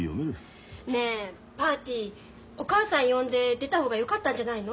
ねえパーティーお母さん呼んで出た方がよかったんじゃないの？